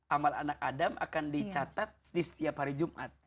amal anak adam akan dicatat di setiap hari jumat